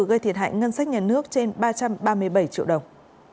gây thiệt hại ngân sách nhà nước trên ba trăm ba mươi bảy triệu đồng